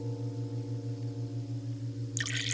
pertama biarkan aku mengambilkanmu air